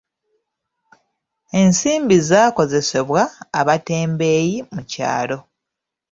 Ensimbi zaakozesebwa abatembeeyi mu kyalo.